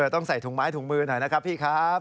ต้องใส่ถุงไม้ถุงมือหน่อยนะครับพี่ครับ